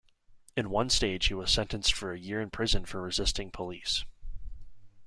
In one stage he was sentenced for a year in prison for resisting police.